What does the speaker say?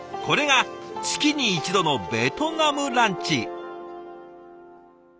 これが月に１度のベトナムランチ。